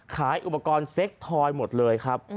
ขายอุปกรณ์เซ็กทอยหมดเลยครับ